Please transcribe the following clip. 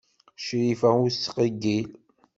Crifa ur tettqeyyil.